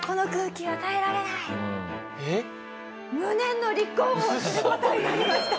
無念の立候補をする事になりました。